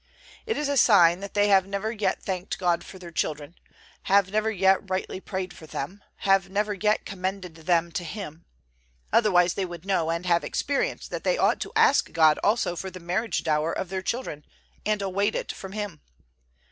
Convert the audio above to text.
It is a sign that they have never yet thanked God for their children, have never yet rightly prayed for them, have never yet commended them to Him; otherwise they would know and have experienced that they ought to ask God also for the marriage dower of their children, and await it from Him.